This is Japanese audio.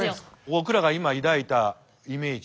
僕らが今抱いたイメージ。